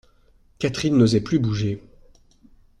Catherine n'osait plus bouger.